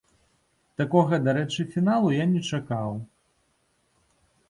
Такога дарэчы фіналу я не чакаў.